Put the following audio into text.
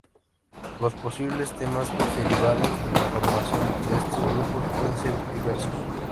Los posibles temas derivados de la formación de estos grupos pueden ser diversos.